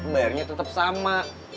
bayarnya tetep sama